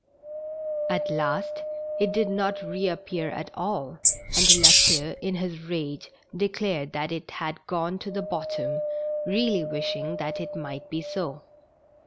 At last it did not reappear at all, and La Queue in his rage declared that it had gone to the bottom, really wishing tliat it might be so.